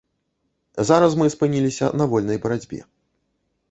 Зараз мы спыніліся на вольнай барацьбе.